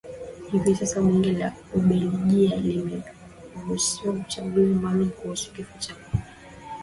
Hivi sasa Bunge la Ubeligiji limeruhusu uchunguzi maalumu kuhusu Kifo cha Lumumba miaka kadhaa